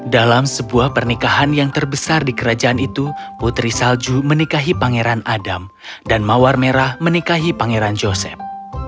dalam sebuah pernikahan yang terbesar di kerajaan itu putri salju menikahi pangeran adam dan mawar merah menikahi pangeran joseph